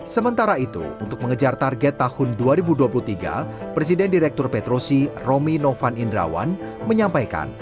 sementara itu untuk mengejar target tahun dua ribu dua puluh tiga presiden direktur petrosi romi novan indrawan menyampaikan